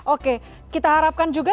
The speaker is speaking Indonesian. oke kita harapkan juga